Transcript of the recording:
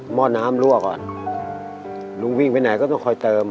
ห้อน้ำรั่วก่อนลุงวิ่งไปไหนก็ต้องคอยเติม